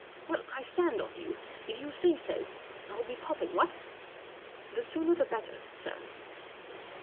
44 Well, I stand on you. If you say so¬ l'll be popping, what ? 44 The sooner the better, sir."